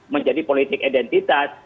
menjadi politik identitas